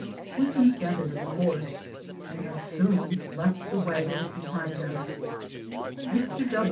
We consented, of course, and had soon left the wagons behind us. Mr.